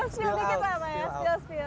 spill spill dikit pak maya